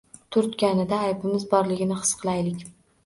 Turtganida aybimiz borligini his qilaylik.